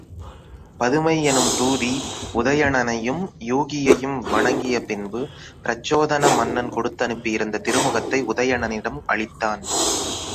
பதுமை என்னும் தூதி, உதயணனையும் யூகியையும் வணங்கிய பின்பு பிரச்சோதன மன்னன் கொடுத்தனுப்பியிருந்த திருமுகத்தை உதயணனிடம் அளித்தான்.